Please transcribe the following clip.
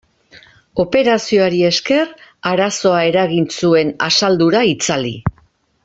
Operazioari esker arazoa eragin zuen asaldura itzali.